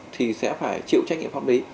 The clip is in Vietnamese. thì sẽ phải chịu trách nhiệm pháp lý